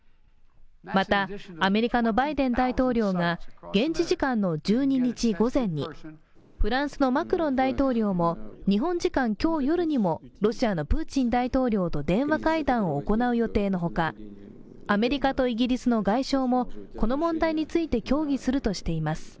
また、アメリカのバイデン大統領が現地時間の１２日午前に、フランスのマクロン大統領も日本時間今日夜にもロシアのプーチン大統領と電話会談を行う予定のほかアメリカとイギリスの外相もこの問題について協議するとしています。